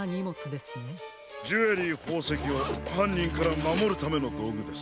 ジュエリーほうせきをはんにんからまもるためのどうぐです。